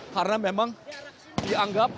karena memang dianggap